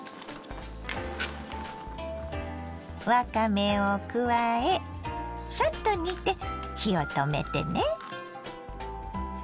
わかめを加えサッと煮て火を止めてね。